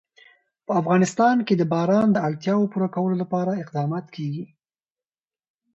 په افغانستان کې د باران د اړتیاوو پوره کولو لپاره اقدامات کېږي.